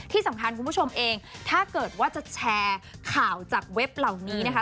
คุณผู้ชมเองถ้าเกิดว่าจะแชร์ข่าวจากเว็บเหล่านี้นะคะ